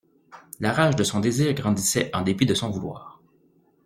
La rage de son désir grandissait en dépit de son vouloir.